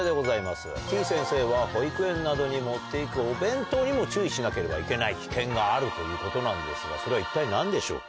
てぃ先生は保育園などに持って行くお弁当にも注意しなければいけない危険があるということなんですがそれは一体何でしょうか？